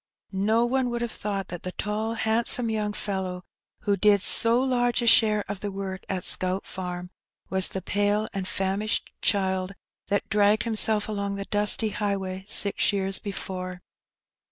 No one would have thought that the tall, handsome young fellow who did so large a share of the work at Scout Farm, was the pale and famished child that dragged himself along the dusty highway six years before.